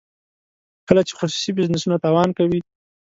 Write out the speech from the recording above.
کله چې خصوصي بزنسونه تاوان کوي.